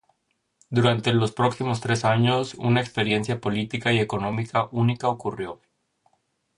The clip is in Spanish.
Durante los próximos tres años, una experiencia política y económica única ocurrió.